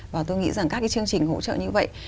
và tôi nghĩ rằng các cái chương trình hỗ trợ như vậy